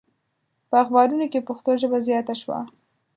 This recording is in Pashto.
په اخبارونو کې پښتو ژبه زیاته شوه.